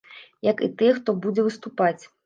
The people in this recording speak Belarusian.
Як і тыя, хто будзе выступаць.